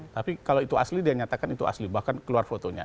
tapi kalau itu asli dia nyatakan itu asli bahkan keluar fotonya